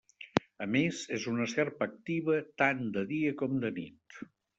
A més, és una serp activa tant de dia com de nit.